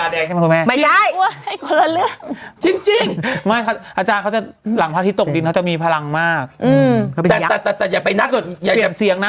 เดี๋ยวปิดตาแดงได้ป่ะคุณแม่ไม่ได้ปวดเกินเรื่อง